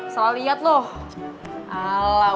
salah liat loh